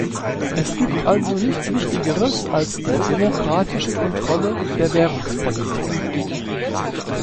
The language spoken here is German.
Es gibt also nichts Wichtigeres als die demokratische Kontrolle der Währungspolitik.